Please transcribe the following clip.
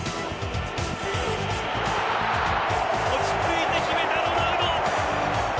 落ち着いて決めた、ロナウド。